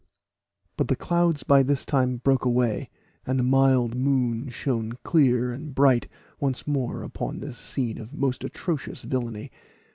But the clouds by this time broke away, and the mild moon shone clear and bright once more upon this scene of most atrocious villainy.